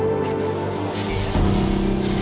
masa ada si dewi